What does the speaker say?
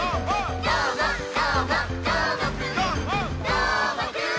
「どーもくん！」